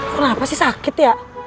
kenapa sih sakit ya